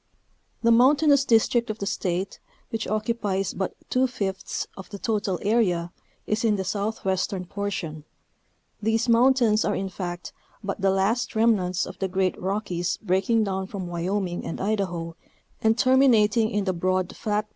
The mountainous district of the State, which occupies but two fifths of the total area, is in the southwestern portion; these mountains are in fact but the last remnants of the great rockies breaking down from Wyoming and Idaho and terminating in the broad flat.